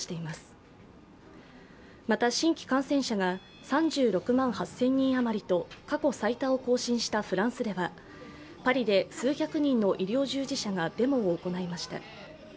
また、新規感染者が３６万８０００人余りと過去最多を更新したフランスではパリで数百人の医療従事者がデモを行いました。